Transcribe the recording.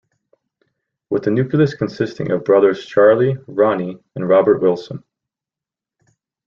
With the nucleus consisting of brothers Charlie, Ronnie, and Robert Wilson.